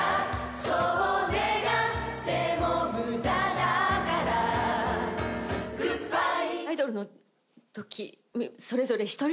「そう願っても無駄だから」「グッバイ」